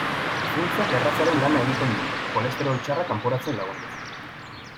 Zuntzak erratzaren lana egiten du, kolesterol txarra kanporatzen lagunduz.